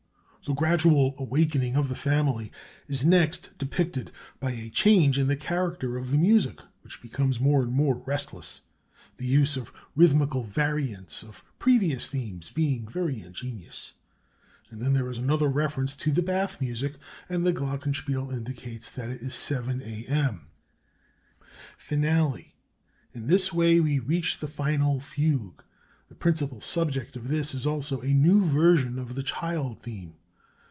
The gradual awakening of the family is next depicted by a change in the character of the music, which becomes more and more restless, the use of rhythmical variants of previous themes being very ingenious; and then there is another reference to the bath music, and the glockenspiel indicates that it is 7 A.M. "[FINALE] "In this way we reach the final Fugue. The principal subject of this is also a new version of the child theme.